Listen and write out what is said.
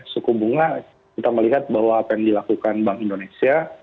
suku bunga kita melihat bahwa apa yang dilakukan bank indonesia